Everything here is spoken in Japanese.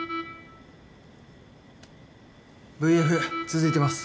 ＶＦ続いてます。